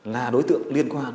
là đối tượng liên quan